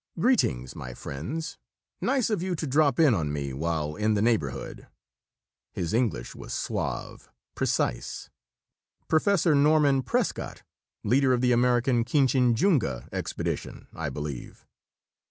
"Greetings, my friends! Nice of you to drop in on me while in the neighborhood." His English was suave, precise. "Professor Norman Prescott, leader of the American Kinchinjunga expedition, I believe."